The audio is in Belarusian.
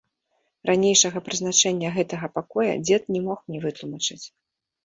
Ранейшага прызначэння гэтага пакоя дзед не мог мне вытлумачыць.